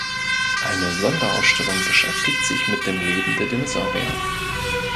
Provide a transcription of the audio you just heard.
Eine Sonderausstellung beschäftigt sich mit dem Leben der Dinosaurier.